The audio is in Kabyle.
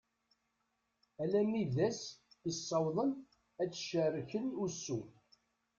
Alammi d ass i ssawḍen ad cerken ussu.